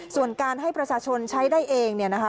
ส่วนการให้ประชาชนใช้ได้เองเนี่ยนะคะ